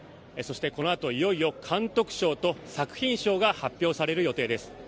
そしてこのあと、いよいよ監督賞と作品賞が発表される予定です。